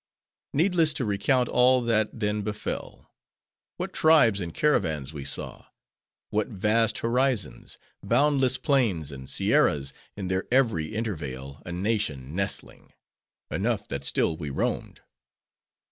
Needless to recount all that then befell; what tribes and caravans we saw; what vast horizons; boundless plains: and sierras, in their every intervale, a nation nestling. Enough that still we roamed.